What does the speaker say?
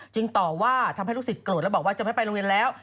ต่อว่าทำให้ลูกศิษย์โกรธแล้วบอกว่าจะไม่ไปโรงเรียนแล้ว